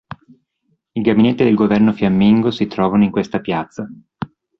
I gabinetti del Governo fiammingo si trovano in questa piazza.